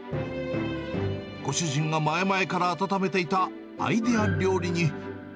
ご主人が前々から温めていたアイデア料理に。